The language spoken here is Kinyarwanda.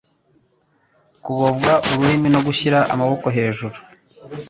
kugobwa ururimi no gushyira amaboko hejuru